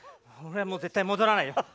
俺はもう絶対戻らないよ。